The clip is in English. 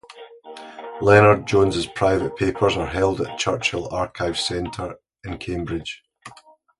Lennard-Jones's private papers are held at Churchill Archives Centre, in Cambridge.